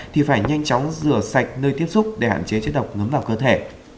thì phải nhanh chóng rửa sạch nơi tiếp xúc để hạn chế chất độc ngấm vào cơ thể